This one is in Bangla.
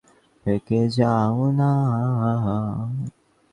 তিনি নারীর ক্ষমতায়নের প্রচারে অন্ধ্র প্রদেশে ব্যাপকভাবে ভ্রমণ করেছিলেন।